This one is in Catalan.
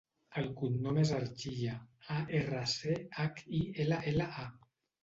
El cognom és Archilla: a, erra, ce, hac, i, ela, ela, a.